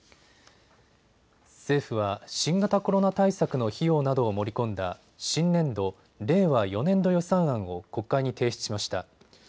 政府は新型コロナ対策の費用などを盛り込んだ新年度・令和４年度予算案を国会に提出しました。